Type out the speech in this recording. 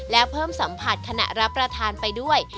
และเพิ่มสัมผัสขณะรับประทานไปด้วย